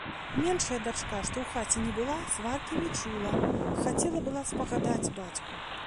Меншая дачка, што ў хаце не была, сваркі не чула, хацела была спагадаць бацьку.